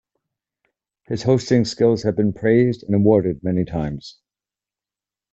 His hosting skills has been praised and awarded many times.